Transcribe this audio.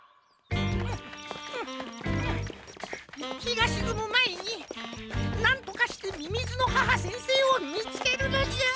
ひがしずむまえになんとかしてみみずの母先生をみつけるのじゃ！